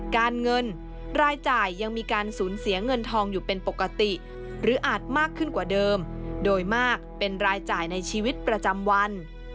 การเงินรายจ่ายยังมีการสูญเสียเงินทองอยู่เป็นปกติหรืออาจมากขึ้นกว่าเดิมโดยมากเป็นรายจ่ายในชีวิตประจำวัน